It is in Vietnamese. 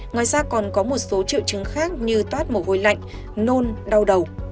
ngoài ra còn có một số triệu chứng khác như toát mồ hôi lạnh nôn đau đầu